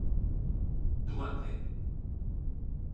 누구한테?